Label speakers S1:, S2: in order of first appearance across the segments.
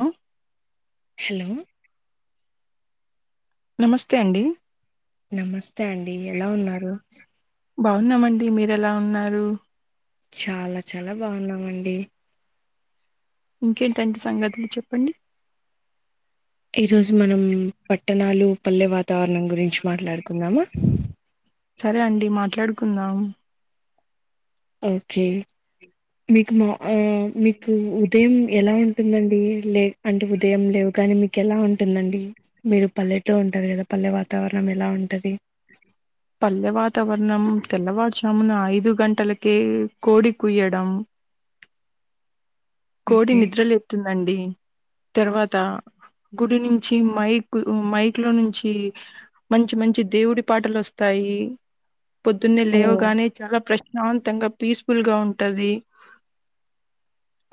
S1: హ్మ్
S2: హలో
S1: నమస్తే అండి
S2: నమస్ స్తే అండి ఎలా ఉన్నారు
S1: బాగున్నామండి మీరెలా ఉన్నారు
S2: చాలా చాలా బాగున్నామండి
S1: ఇంకేంటంటి సంగతులు చెప్పండి
S2: ఈరోజు మనం పట్టణాలు పల్లె వాతావరణం గురించి మాట్లాడుకుందామ
S1: సరే అండి మాట్లాడుకుందాం
S2: ఓకే మీకు మా ఆ మీకు ఉదయం ఎలా ఉంటుందండి లే అంటే ఉదయం లేవ్ కానే మీకు ఎలా ఉంటుందండి. మీరు పల్లెట్లో ఉంటార్ కదా పల్లె వాతావరణం ఎలా ఉంటది.
S1: పల్లె వాతవరణం తెల్లవారు జామున ఐదు గంటల కే కోడి కుయ్యడంం కోడి
S2: ఓకే
S1: నిద్రలేపుతుంది అండి తర్వాత గుడి నుంచి మైక్ మైక్ లో నుంచి మంచి మంచి దేవుడి పాటలు వస్తాయి పొద్దున్నే
S2: ఓ
S1: లేవుగానే చాలా ప్రశ్న శాంతంగా పీస్ఫుల్ గా ఉంటది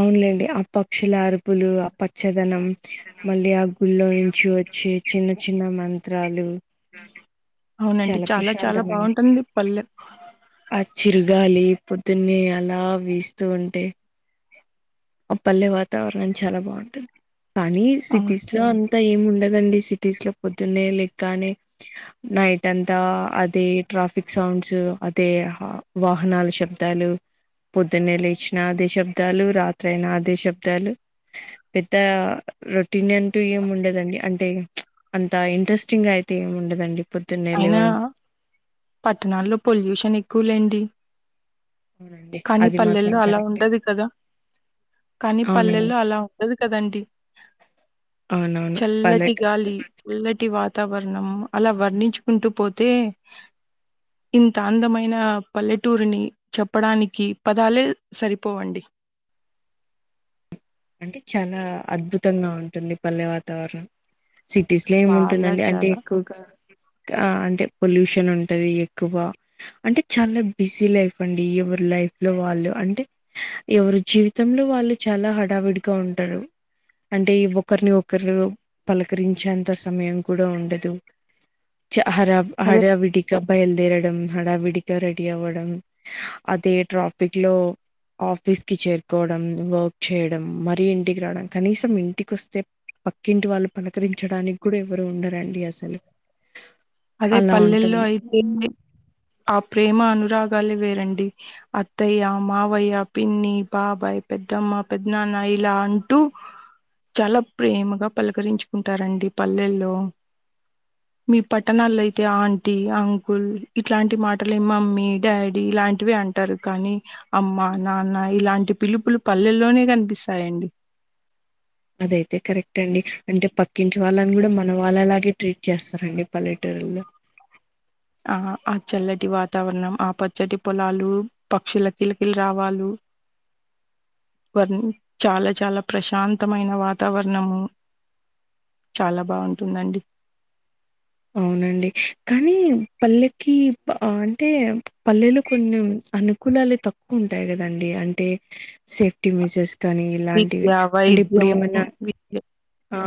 S2: అవునులేండి ఆ పక్షుల అరుపులు ఆ పచ్చదనం మళ్ళీ ఆ గుల్లో నుంచి వచ్చి చిన్న చిన్న మం త్రాలు
S1: అవునండి చాలా చాలా
S2: ప్రశాంతమైన
S1: బాగుంటుంది పల్లె
S2: చిరూగాలి పొద్దున్నే అలా వీస్తూ ఉంటే ఆ పల్లె వాతావరణం చాలా బాగుంటుంది కానీ
S1: అవును
S2: సిటీస్ లో అంతా ఏమి ఉండదండి. సిటీస్ లో పొద్దునే లేగానే నైట్ అంతా అదే ట్రాఫిక్ సౌండ్స్ అదే వాహనాల శబ్దాలు పొద్దున్నే లేచిన అదే శబ్దాలు రాత్రి ఆది శబ్దాలు పెద్ద రో రొటీన్ అంటూ ఏం ఉండదండి అంటే చ్చ అంత ఇంట్రస్టింగ్ గా అయితే ఏం ఉండదండి పొద్దున్నే
S1: అయినా
S2: లేవడం
S1: పట్టణాల్లో పొల్యూషన్ ఎక్కువలేండి
S2: అవునండి
S1: కానీ
S2: అది మాత్రం
S1: పల్లెల్లో అలా
S2: కరెక్టే
S1: ఉండదు కదా కానీ
S2: అవునండి
S1: పల్లెల్లో అలా ఉండదు కదండి
S2: అవునవును పల్లె
S1: చల్లటి గాలి చల్లటి వాతావరణం అలా వర్ణించుకుంటూ పోతే ఇంత అందమైన ఆ పల్లెటూరిని చె ప్పడానికి పదాలే సరిపోవండి
S2: అంటే చాలా అద్భుతంగా ఉంటుంది. పల్లె వాతావరణం. సిటీస్ లో ఏము
S1: చాలా
S2: ఉంటుందండి అంటే
S1: చాలా.
S2: ఎక్కువగా అంటే పొల్యూషన్ ఉంటది ఎక్కువ అంటే చాలా బిజీ లైఫ్ అండి ఎవరి లైఫ్ లో వాళ్ళు అంటే ఎవరి జీవితంలో వాళ్ళు చాలా హ విడిగా ఉంటరూ అంటే ఒకరిని ఒకరు పలకరించేంత సమయం కూడా ఉండదు హరా
S1: అదే
S2: హర విడిగ బయలుదేరడం హడా విడిగా రెడీ అవ్వడం. అదే ట్రాఫిక్ లో ఆఫీస్ కి చేరుకోవడం. వర్క్ చేయడం మరీ ఇంటికి రావడం కనీసం ఇంటికి వస్తే పక్కింటి వాళ్ళు పనకరించడానికి కూడా ఎవరు ఉండరండి అసలు
S1: అదే
S2: అలా
S1: పల్లెల్లో
S2: ఉంటుంది
S1: అయితే అప్ ప్రేమ అనురాగాలే వేరండి అత్తయ్య మావయ్య పిన్ని బాబాయ్ పెద్దమ్మ పెద్ద నాన్న ఇలా అంటూ చాలా ప్రేమగా పలకరించుకుంటారండి పల్లెల్లో మీ పట్టణాల్లో అయితే ఆంటీ అంకుల్ ఇట్లాంటి మాటలే మమ్మీ డాడీ ఇలాంటివి అంటారు కానీ అమ్మా నాన్న ఇలాంటి పిలుపులు పల్లెల్లోనే కనిపిస్తాయండి.
S2: అదైతే కరెక్ట్ అండి అంటే పక్కింటి వాళ్ళని కూడా మన వాళ్ళలాగే ట్రీట్ చేస్తారంండి పల్లెటూరులో
S1: ఆ ఆ చల్లటి వాతావరణం ఆ పచ్చటి పొలాలు పక్షుల కిలకిలు రావాలు వర్ చాలా చాలా ప్రశాంతమైన వాతావరణము చాలా బాగుంటుందండి.
S2: అవునండి కానీ పల్లెకి అంటే పల్లెలో కొన్ని అనుకూలలు తక్కువ ఉంటాయి కదండి అంటే సేఫ్టీ మెజెర్స్
S1: విద్యా వైద్యం విద్య
S2: ఆ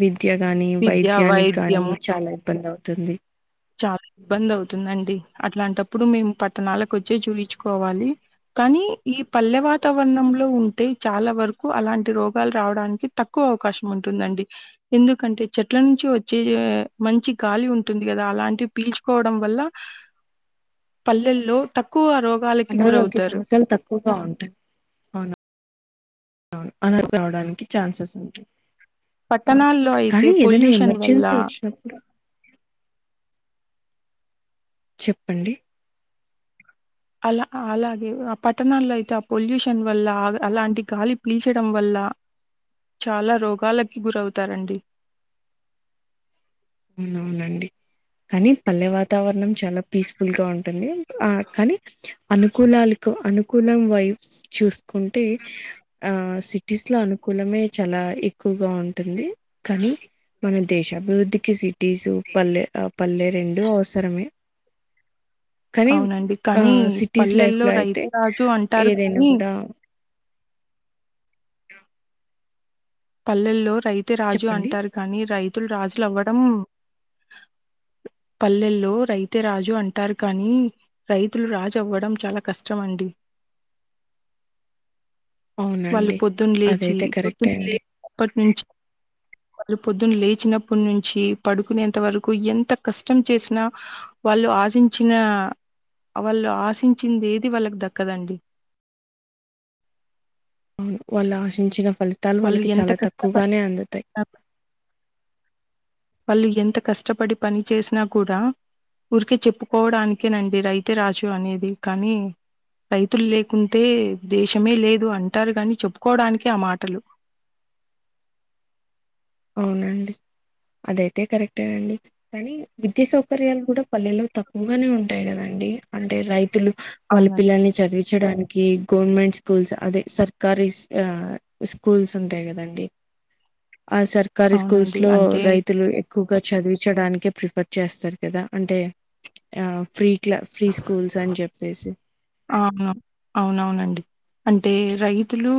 S2: విద్ విద్య గాని
S1: విద్య
S2: వైద్యానికి గానీ
S1: వైద్యము
S2: చాలా ఇబ్బంది అవుతుంది.
S1: చాలా ఇబ్బంది అవుతుందండి. అట్లాంటప్పుడు మేము పట్టణాలకొచ్చే చూయించుకోవాలి. కానీ ఈ పల్లె వాతావరణంలో ఉంటే చాలా వరకు అలాంటి రోగాలు రావడానికి తక్కువ అవకాశం ఉంటుందండి. ఎందుకంటే చెట్ల నుంచి వచ్చే మంచి గాలి ఉంటుంది. గదా అలాంటివి పీల్చుకోవడం వల్ల పల్లెల్లో తక్కువ రో
S2: అనారోగ్య సమస్యలు తక్కువగా ఉంటాయి. అవున? అనాధ ఆవడానికి ఛాన్సెస్ ఉంటాయి ఆ
S1: పట్టణాల్లో అయితే
S2: కానీ ఏదైనా
S1: పొల్యూషన్ వల్ల
S2: ఎమర్జెన్సీ వచ్చినప్పుడు చెప్పండి
S1: అలా అలాగే ఆ పట్టణాల్లో అయితే ఆ పొల్యూషన్ వల్ల, అలాంటి గాలి పీల్చడం వల్ల చాలా రోగాలకి గురవుతారండి.
S2: అవునవునండి కానీ పల్లె వాతావరణం చాలా పీస్ఫుల్ గా ఉంటుంది. ఆ కానీ అనుకూలాలకు అనుకూలం వై చూస్ కుంటే ఆ సిటీస్ లో అనుకూలమే చాలా ఎక్ ఇగా ఉంటుంది కానీ మన దేశాభివృద్ధి [unintelligible] టిజు పల్లె ఆ పల్లె రెండు అవసరమే కానీ
S1: అవునండి
S2: ఆ
S1: కానీ
S2: సిటీస్
S1: పల్లెల్లో
S2: లైఫ్లో అయితే
S1: రైతు రాజు అంటారు
S2: ఏదైనా
S1: కానీ
S2: కూడా
S1: పల్లెలోర్ రైతే రాజు
S2: చెప్పండి
S1: అంటారు కానీ రై తూల్ రాజులు అవ్వడం. పల్లెల్లో రైతే రాజు అంటారు కానీ, రైతులు రాజు అవ్వడం చాలా కష్టం అండి. వాళ్ళు
S2: అవునండి.
S1: పొద్దున్న లేచి,
S2: అదైతే కరెక్టే
S1: పొద్దున్న లే
S2: అండి.
S1: [unintelligible] నుంచి వాళ్ళు పొద్దున్న లేచినప్పటి నుంచి పడుకునేంత వరకు ఎంత కష్టం చేసినా, వాళ్ళు ఆశించిన వాళ్ళు ఆశించింది ఏది వాళ్ళకు దక్కదండి.
S2: అవును వాళ్ళు ఆశించిన ఫలితాలు
S1: వాళ్ళు
S2: వాళ్ళకి
S1: ఎంత
S2: చాలా
S1: కష్టపడి
S2: తక్కువగానే అందుతాయి.
S1: వాళ్ళు ఎంత కష్టపడి పని చేసినా కూడా, ఊరికే చెప్పుకోవడానికేనండి రైతే రాజు అనేది కానీ రైతులు లేకుంటే దేశమే లేదు అంటారు, కాని చెప్పుకోవడానికే ఆ మాటలు.
S2: అవునండి, అదయితే కరెక్టే అండి. కానీ విద్యా సౌకర్యాలు కూడా పల్లెలో తక్కువగానే ఉంటాయి కదండి, అంటే రైతులు వాళ్ళ
S1: అవునండి
S2: పిల్లని చదివి చేడానికి గవర్నమెంట్ స్కూల్స్, అదే సర్కారిస్ ఆ స్కూల్స్ ఉంటాయి కదండి. ఆ సర్కారి స్కూల్స్
S1: అవునండి
S2: లో
S1: అంటే
S2: రైతులు ఎ ఎక్కుగా చదివించడానికే ప్రిఫర్ చేస్తారు కదా అంటే ఆ ఫ్రీ క్లా ఫ్రీ స్కూల్స్ అని చెప్పేసి.
S1: అవును అవునవునండి, అంటే రైతులు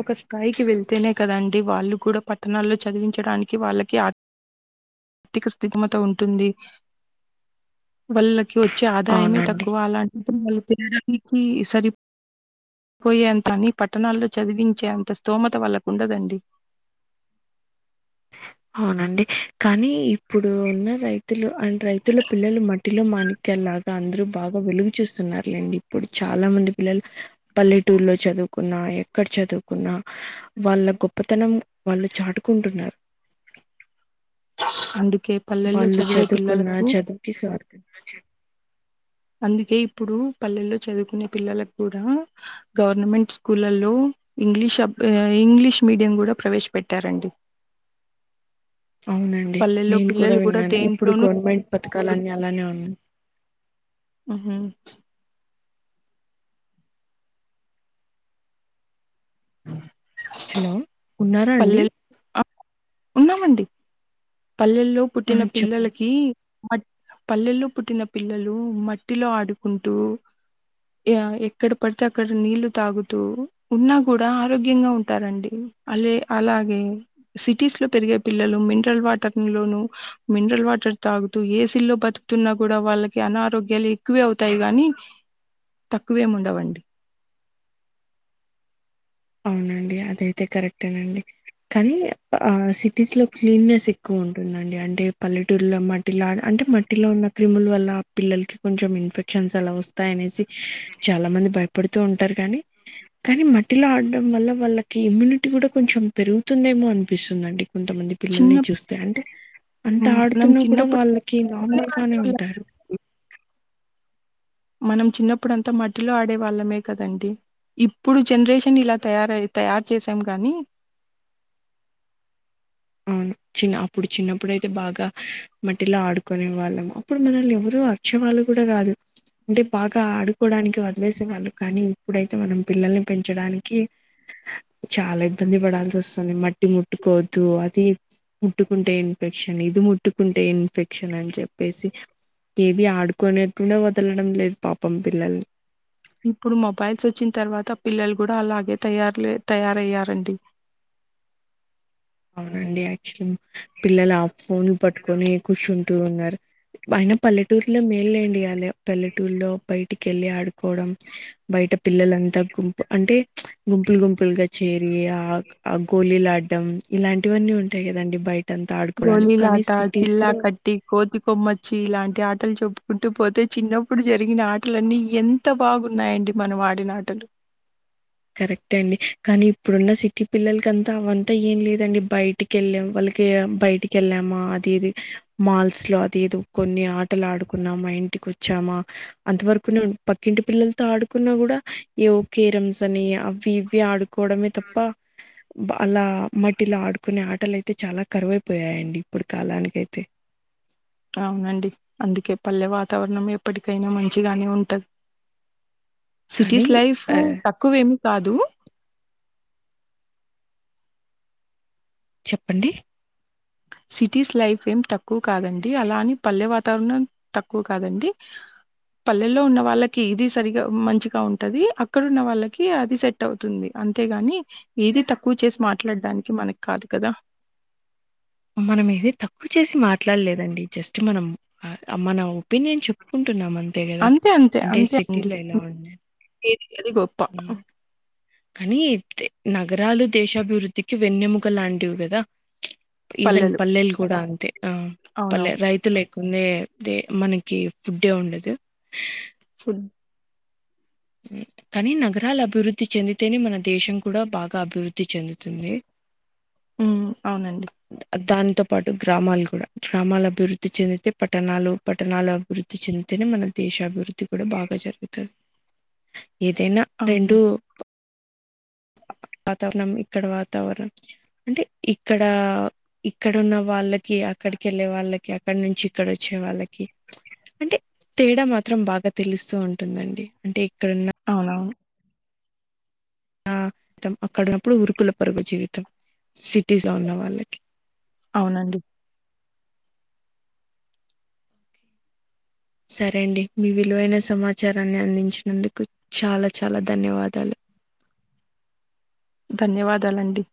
S1: ఒక స్థాయికి వెళ్తేనే కదాండి వాళ్ళు కూడా పట్టణాల్లో చదివించడానికి వాళ్ళకి ఆర్థిక స్థిగమత ఉంటుంది. వాళ్ళకి వ చ ఆదాయమే
S2: అవునండి
S1: తక్కువ అలాంటిది మళ్ళీ నీకి సరిపోపోయేంత అని పట్టణాల్లో చదివించేంత స్తోమత వాళ్ళకుండదండి
S2: అవునండి కానీ ఇప్పుడు ఉన్న రైతులు అండ్ రైతుల పిల్లలు మట్ మట్టిలో మాణిక్యలాగా అందరూ బాగా వెలుగు చూస్తున్నారు లేండి ఇప్పుడు చాలా మంది పిల్లలు పల్లెటూర్లో చదువుకున్నా ఎక్కడ చదువుకున్నా వాళ్ళ గొప్పతనం వాళ్ళు చాటుకుంటున్నారు
S1: అందుకే పల్లెల్లో
S2: వాళ్ళు
S1: చదివే
S2: చదువుకున్న
S1: పిల్లలకు
S2: చదువుకి స్వార్థం
S1: అందుకే ఇప్పుడు పల్లెల్లో చదువుకునే పిల్లలకు కూడా గవర్నమెంట్ స్కూళ్లలో ఇంగ్లీష్ ఇంగ్లీష్ మీడియం కూడా ప్రవేశపెట్టారండి
S2: అవునండి
S1: పల్లెల్లో
S2: నేను కూడా
S1: పిల్లలు
S2: విన్నాను ఇప్పుడు
S1: దేంట్లోనూ
S2: గవర్నమెంట్ పథకాలాన్ని అలానే ఉన్నా
S1: ఉ హు
S2: హలో ఉన్నారా అండి
S1: పల్లెలు అహ్ ఉన్నామండి పల్లెల్లో
S2: ఆ
S1: పుట్టిన
S2: చెప్పండి
S1: పిల్లలకీ మట్ పల్లెల్లో పుట్టిన పిల్లలు మట్టిలో ఆడుకుంటూ ఏ ఎక్కడ పడితే అక్కడ నీళ్లు తాగుతూ ఉన్నా కూడా ఆరోగ్యంగా ఉంటారండి అలే అలాగే సిటీస్ లో పెరిగే పిల్లలు మినరల్ వాట [unintelligible] లోను మినరల్ వాటర్ తాగుతూ ఏసిల్లో బతుకుతున్నా కూడా వాళ్ళకి అనారోగ్యాలు ఎక్కువే అవుతాయి గాని తక్కువేం ఉండవండి.
S2: అవునండి అదయితే కరెక్టేనండి కానీ ఆ సిటీస్ లో క్లీనెస్ ఎక్కువ ఉంటుందండి అంటే పల్లెటూరులో మట్టిలో అంటే మట్టిలో ఉన్న క్రిముల వల్ల పిల్లలకి కొంచెం ఇన్ఫెక్షన్స్ అలా వస్తాయ అనేసి చాలా మంది భయపడుతూ ఉంటారు కానీ కానీ మట్టిలో ఆడ్ డం వల్ల వాళ్ళకి ఇమ్యూనిటీ కూడా కొంచెం పెరుగుతుందేమో అనిపిస్తుందండి. కొంతమంది
S1: చిన్న
S2: పిల్లల్ని చూస్తే అంటే అంత
S1: మ్, మనం
S2: ఆడుతున్నా కూడా
S1: చిన్నప్పుడు
S2: వాళ్ళకి
S1: మట్టిలోనే
S2: నార్మల్గానే
S1: ఆడేవాళ్ళం.
S2: ఉంటారు
S1: మనం చిన్నప్పుడు అంతా మట్టిలో ఆడే వాళ్ళమే కదండి ఇప్పుడు జనరేషన్ ఇలా తయార తయారు చేసాం గాని
S2: అవును చిన్న అప్పుడు చిన్నప్పుడుయితే బాగా మట్టిలో ఆడుకునే వాళ్ళము అప్పుడు మనల్ని ఎవరు వర్చవాళ్ళు కూడా కాదు అంటే బాగా ఆడుకోవడానికి వ లేసే వాళ్ళు కానీ ఇప్పుడైతే మనం పిల్లల్ని పెంచడానికి చాలా ఇబ్బంది పడాల్సి వస్తుంది మట్టి ముట్టుకోవద్దు ఇది ముట్టుకుంటే ఇన్ఫెక్షన్ ఇది ముట్టుకుంటే ఇన్ఫెక్షన్ అని చెప్పేసి ఏది ఆడుకునే కూడా వదలడం లేదు పాపం పిల్లల్ని
S1: ఇప్పుడు మొబైల్స్ వచ్చిన తర్వాత పిల్లలు కూడా అలాగే తయారు తయారయ్యారండి
S2: అవునండి యాక్చులీ పిల్లలు ఆ ఫోన్నీ పట్టుకొని కుషూ టు ఉన్నారు ఆయన పల్లెటూర్లో మేలు లేండి పల్లెటూర్లో బయటికి ఏళ్ళి ఆడుకోవడం బయట పిల్లలంతా గుంపు అంటే గుంపులు గుంపులుగా చె రీ ఆ గోలీ లాడ్ డం ఇలాంటివన్నీ ఉంటాయి కదండి బయి
S1: గోలీలాట చిల్లా కట్టి కోతి కొమ్మచ్చి ఇలాంటి ఆట్ టలు చెప్పుకుంటూ పోతే చిన్నప్పుడు జరిగిన ఆటలన్నీ ఎంత బాగున్నాయండి మనం ఆడిన ఆటలు
S2: కరెక్ట్ అండి కానీ ఇప్పుడున్న సిటీ పిల్లలకంతా అవంతా ఏం లేదండి బయటికి వెళ్ళాం వాళ్ళకి బయటికి ఏళ్ళామా అది ఏది మాల్స్ లో అది ఏదో కొన్ని ఆటలు ఆడుకున్నామా ఇంటికి వచ్చామా అంతవరకునే పక్కింటి పిల్లలతో ఆడుకున్నా కూడా ఏవో కేరమ్స్ సని అవి ఇవ్ వి ఆడుకోవడమే తప్ప అలా మట్టిలో ఆడుకునే ఆటలు అయితే చాలా కరువైపోయాయండి ఇప్పుడు కాలానికి అయితే
S1: అవునండి అందుకే పల్లె వాతావరణం ఎప్పటికైనా మంచిగానే ఉంటది
S2: కానీ
S1: సిటీస్ లైఫ్
S2: ఆ
S1: తక్కువేమీ కాదు
S2: చెప్పండి
S1: సిటీస్ లైఫ్ ఏం తక్కువ కాదండి అలాని పల్లె వాతావరణం తక్కువ కాదండి పల్లెల్లో ఉన్న వాళ్ళకి ఏది సరిగా మంచిగా ఉంటది అక్కడ ఉన్న వాళ్ళకి అది సెట్ అవుతుంది అంతేగాని ఏది తక్కువ చేసి మాట్లాడడానికి మనకు కాదు కదా
S2: మనం ఏది తక్కువ చేసి మాట్లాడలేదండి జస్ట్ మనం మన ఒపీనియన్ చెప్పుకుంటున్నామ
S1: అంతే అంతే అంతే
S2: ఉంది
S1: అ అది గొప్ప
S2: ఉమ్. కానీ నగరాలు దేశాభివృద్ధికి వెన్నెముక లాంటివి కదా ఈవెన్ పల్లెలు కూడా అ ఆ పల్లె
S1: అవునవును
S2: రైతుల ందేే మనకి ఫుడ్డే ఉండదు
S1: అ
S2: కానీ నగరాలు అభివృద్ధి చెందితేనే మన దేశం కూడా బాగా అభివృద్ధి చెందుతుంది
S1: ఉ అవునండి
S2: తో పాటు గ్రామాలు కూడా గ్రామాల అభివృద్ధి చెందితే పట్టణాలు పట్టణాల అభివృద్ధి చెందితేనే మన దేశ అభివృద్ధి ది కూడా బాగా జరుగుతుంది ఏదైనా
S1: అవును
S2: రెండు వాతావరణం ఇక్కడ వాతావరణం అంటే ఇక్కడ ఇక్కడన్న వాళ్ళకి అక్కడికి వెళ్ళే వాళ్ళకి అక్కడ నుంచి ఇక్కడ వచ్చే వాళ్ళకి అంటే తేడా మాత్రం బాగా తెలుస్తూ ఉంటుందండి అంటే ఇక్కడ
S1: అవునవును
S2: తం అక్కడనప్పుడు ఉరుకుల పరుగు జీవితం సిటీస్ ఉన్న వాళ్ళకి
S1: అవునండి
S2: సరే అండి మీ విలువైన సమాచారాన్ని అందించినందుకు చాలా చాలా ధన్యవాదాలు
S1: ధన్యవాదాలండి